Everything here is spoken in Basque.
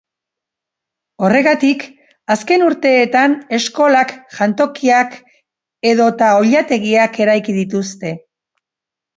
Horregatik, azken urteetan eskolak, jantokiak edo ta oilategiak eraiki dituzte.